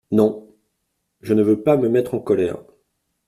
Non, je ne veux pas me mettre en colère.